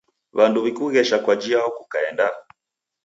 W'andu w'ikughesha kwa jiao kukaenda?